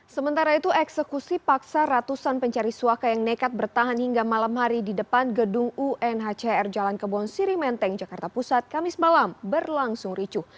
sementara itu eksekusi paksa ratusan pencari suaka yang nekat bertahan hingga malam hari di depan gedung unhcr jalan kebon siri menteng jakarta pusat kamis malam berlangsung ricu